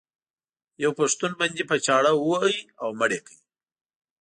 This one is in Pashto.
یو پښتون بندي په چاړه وواهه او مړ یې کړ.